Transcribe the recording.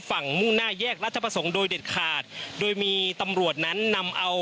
มุ่งหน้าแยกราชประสงค์โดยเด็ดขาดโดยมีตำรวจนั้นนำเอา